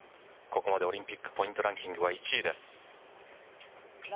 ここまでオリンピックポイントランキングは１位です。